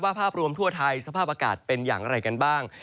ภาพรวมทั่วไทยสภาพอากาศเป็นอย่างไรกันบ้าง